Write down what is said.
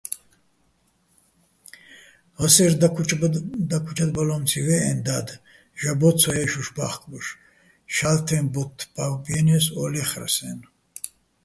ვასერ დაქუჩადბალო́მციჼ ვე́ჸეჼ და́დ, ჟაბო́ ცოჸე́შუშ ბა́ხკბოშ: "შა́ლთეჼ ბოთთ ბავბიენე́ს, ო ლე́ხრას"-აჲნო̆.